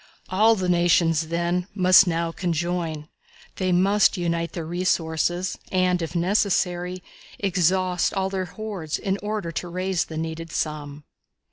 All the nations, then, must now conjoin. They must unite their resources, and, if necessary, exhaust all their hoards, in order to raise the needed sum.